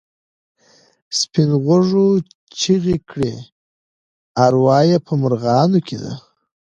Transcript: سپین غوږو چیغې کړې اروا یې په مرغانو کې ده.